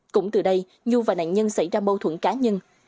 cũng từ đây nhu và nạn nhân xảy ra bâu thuẫn cá nhân